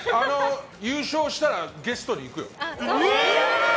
優勝したらゲストで行くよ。